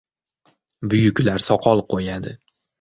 Buyuklar soqol qo‘yadi.